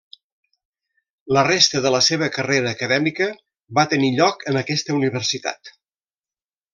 La resta de la seva carrera acadèmica va tenir lloc en aquesta universitat.